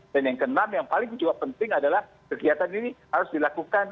dan yang keenam yang paling juga penting adalah kegiatan ini harus dilakukan